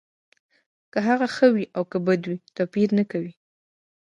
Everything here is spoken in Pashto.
که هغه ښه وي او که بد وي توپیر نه کوي